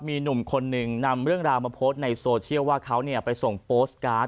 มีหนุ่มคนหนึ่งนำเรื่องราวมาโพสต์ในโซเชียลว่าเขาไปส่งโปสตการ์ด